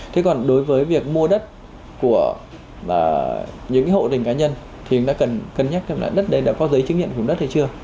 thế còn đối với việc mua đất của những hộ tình cá nhân thì chúng ta cần nhắc thêm là đất đấy đã có giấy chứng nhận của đất hay chưa